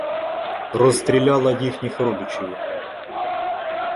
розстріляла їхніх родичів.